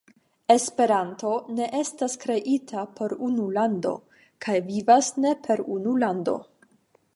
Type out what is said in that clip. Esperanto ne estas kreita por unu lando kaj vivas ne per unu lando.